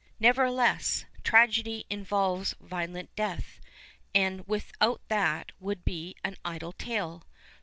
Nevertheless, tragedy involves violent death, and without that would be an idle tale.